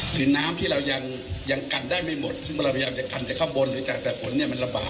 หรือน้ำที่เรายังกันได้ไม่หมดซึ่งเราพยายามจะกันจากข้างบนหรือจากแต่ฝนเนี่ยมันระบาด